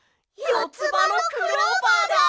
よつばのクローバーです！